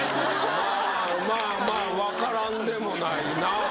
まあまあ分からんでもないな。